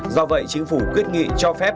do vậy chính phủ quyết nghị cho phép